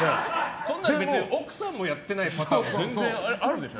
奥さんもやってないパターンも全然あるでしょ。